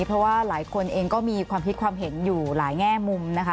เพราะว่าหลายคนเองก็มีความคิดความเห็นอยู่หลายแง่มุมนะคะ